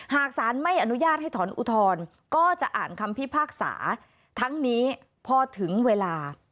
หากสารไม่อนุญาตให้ถอนอุทธรณ์ก็จะอ่านคำพิพากษาทั้งนี้พอถึงเวลา